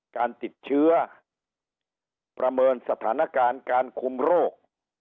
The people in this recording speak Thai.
การติดเชื้อประเมินสถานการณ์การคุมโรค